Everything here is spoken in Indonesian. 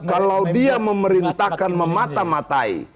kalau dia memerintahkan memata matai